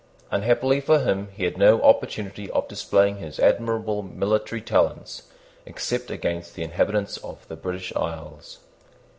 Unhappily for him he had no opportunity of displaying his admirable military talents, except against the inhabitants of the British isles.